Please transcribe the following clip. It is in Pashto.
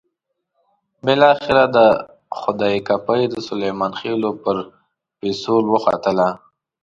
بالاخره د خدۍ کپۍ د سلیمان خېلو پر پېڅول وختله.